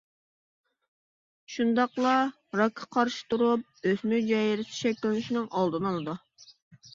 شۇنداقلا، راكقا قارشى تۇرۇپ، ئۆسمە ھۈجەيرىسى شەكىللىنىشنىڭ ئالدىنى ئالىدۇ.